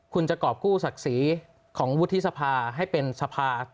คุณจะกรอบกู้ศักดิ์ศรีของวุฒิสภาให้เป็นสภา